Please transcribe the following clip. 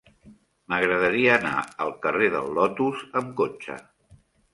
M'agradaria anar al carrer del Lotus amb cotxe.